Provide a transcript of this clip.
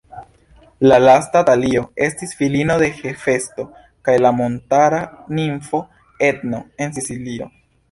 La lasta Talio estis filino de Hefesto kaj la montara nimfo Etno, en Sicilio.